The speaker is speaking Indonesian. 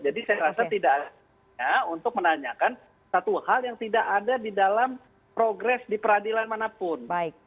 jadi saya rasa tidak ada isu untuk menanyakan satu hal yang tidak ada di dalam progres di peradilan manapun